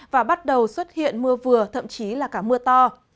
và bắt đầu xuất hiện mưa vừa thậm chí là cả mưa to